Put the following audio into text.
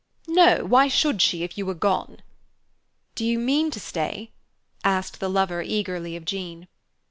"No, why should she if you are gone?" "Do you mean to stay?" asked the lover eagerly of Jean.